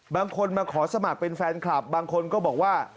บางคนมาขอสมัครเป็นแฟนคลับบางคนก็บอกว่า